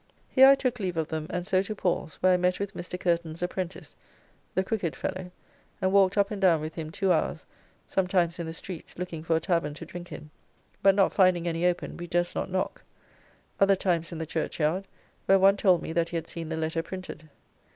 Here I took leave of them, and so to Paul's, where I met with Mr. Kirton's' apprentice (the crooked fellow) and walked up and down with him two hours, sometimes in the street looking for a tavern to drink in, but not finding any open, we durst not knock; other times in the churchyard, where one told me that he had seen the letter printed.